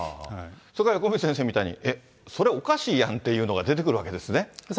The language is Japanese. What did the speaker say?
それから横道先生みたいに、えっ、それおかしいやん、みたいなものが出てくるんですね。